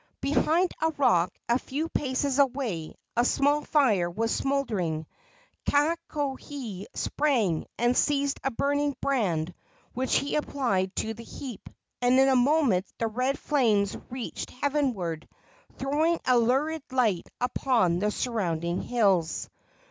Behind a rock, a few paces away, a small fire was smouldering. Kakohe sprang and seized a burning brand, which he applied to the heap, and in a moment the red flames reached heavenward, throwing a lurid light upon the surrounding hills.